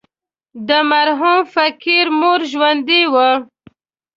د مرحوم فقير مور ژوندۍ وه.